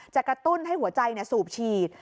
กระตุ้นให้หัวใจสูบฉีด